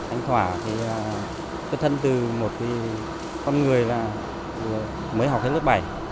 anh thỏa thì có thân từ một con người mới học đến lớp bảy